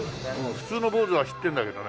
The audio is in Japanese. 普通の坊主は知ってるんだけどね。